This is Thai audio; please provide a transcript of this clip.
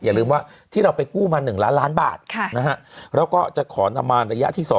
อย่าลืมว่าที่เราไปกู้มา๑ล้านล้านบาทแล้วก็จะขอนำมาระยะที่๒